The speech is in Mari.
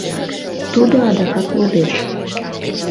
Тудо адакат лудеш.